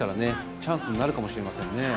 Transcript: チャンスになるかもしれませんね。